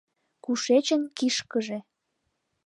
Кушечын кишкыже?